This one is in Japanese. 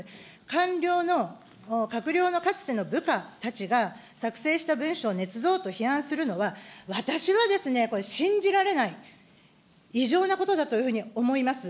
官僚の、閣僚のかつての部下たちが作成した文書をねつ造と批判するのは、私はですね、これ、信じられない、異常なことだというふうに思います。